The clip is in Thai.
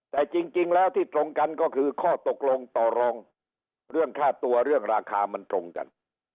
แต่จริงแล้วที่ตรงกันก็คือข้อตกลงต่อรองเรื่องค่าตัวเรื่องราคามันตรงกัน